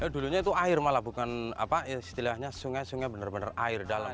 dulunya itu air malah bukan apa istilahnya sungai sungai benar benar air dalam